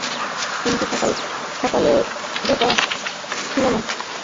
কিন্তু সকালে ডেটা ছিলো না বলে আর মেসেজ দেয়া হয় নি।